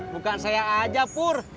bukan saya aja pur